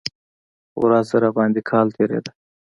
ورځ راباندې کال تېرېده.